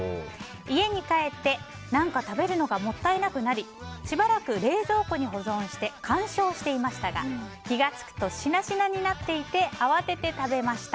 家に帰って何か食べるのがもったいなくなりしばらく冷蔵庫に保存して鑑賞していましたが気が付くとしなしなになっていて慌てて食べました。